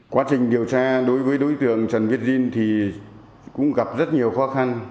quá trình điều tra đối với đối tượng trần viết dinh thì cũng gặp rất nhiều khó khăn